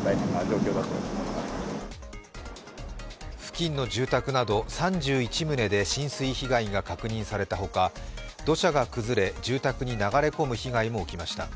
付近の住宅など３１棟で浸水被害が確認されたほか土砂が崩れ、住宅に流れ込む被害も起きました。